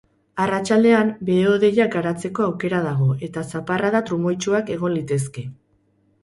Arratsaldean, behe-hodeiak garatzeko aukera dago, eta zaparrada trumoitsuak egon litezke.